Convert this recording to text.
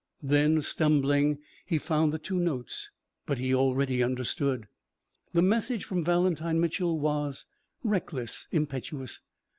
Then, stumbling, he found the two notes. But he already understood. The message from Valentine Mitchel was reckless, impetuous.